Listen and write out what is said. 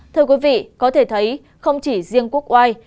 thưa quý vị có thể thấy không chỉ riêng quốc oai